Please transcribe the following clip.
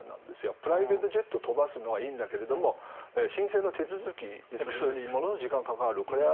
プライベートジェットを飛ばすのはいいんだけど申請の手続きにものすごく時間がかかる。